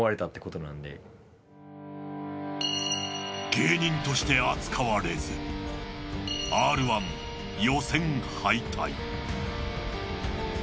芸人として扱われずＲ−１予選敗退。